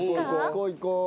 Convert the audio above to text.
行こう行こう。